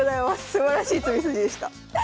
すばらしい詰み筋でした。